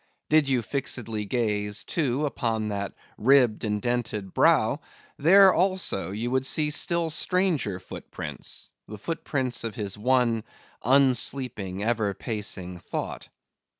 Did you fixedly gaze, too, upon that ribbed and dented brow; there also, you would see still stranger foot prints—the foot prints of his one unsleeping, ever pacing thought.